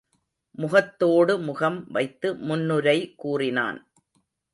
முகத்தோடு முகம் வைத்து முன்னுரை கூறினான்.